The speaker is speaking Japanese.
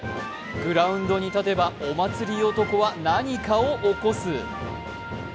グラウンドに立てばお祭り男は何かを起こす。